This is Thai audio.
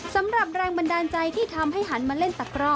สำหรับแรงบันดาลใจที่ทำให้หันมาเล่นตะกร่อ